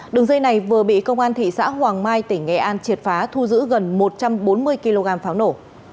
đường dây này vừa bị công an thị xã hoàng mai tỉnh nghệ an triệt phá thu giữ gần một trăm bốn mươi kg pháo nổ